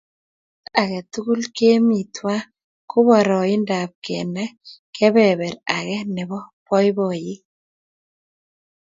Sait ake tukul kemi twai ko poroindap kenai kepeper ake ne po poipoiyet